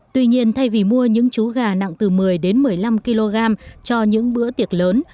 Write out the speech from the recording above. tuy nhiên thay vì mua những chú gà nặng từ một mươi đến một mươi năm kg cho những bữa tiệc lớn